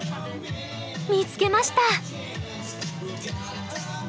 見つけました！